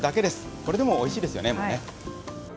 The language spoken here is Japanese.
これでもおいしいですよね、もうね。